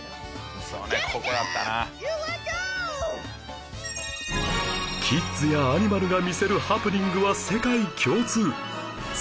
キッズやアニマルが見せるハプニングは世界共通